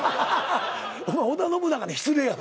お前織田信長に失礼やぞ。